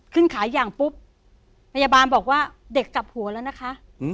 ขายอย่างปุ๊บพยาบาลบอกว่าเด็กจับหัวแล้วนะคะ